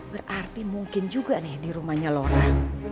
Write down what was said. berarti mungkin juga nih di rumahnya lora